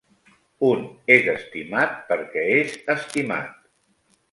Un és estimat perquè és estimat.